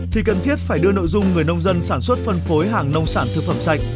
thì cần thiết phải đưa nội dung người nông dân sản xuất phân phối hàng nông sản thực phẩm sạch